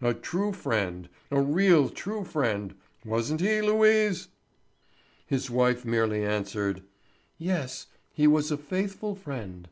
A true friend—a real true friend—wasn't he, Louise?" His wife merely answered: "Yes; he was a faithful friend."